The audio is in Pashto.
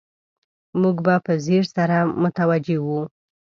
موږ به په ځیر سره متوجه وو.